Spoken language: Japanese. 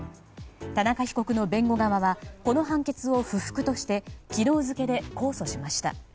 田中被告の弁護側はこの判決を不服として昨日付けで控訴しました。